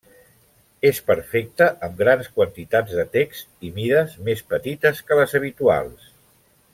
És perfecta amb grans quantitats de text i mides més petites que les habituals.